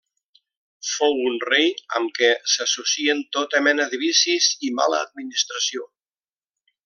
Fou un rei amb què s'associen tota mena de vicis i mala administració.